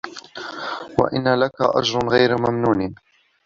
وَإِنَّ لَكَ لَأَجرًا غَيرَ مَمنونٍ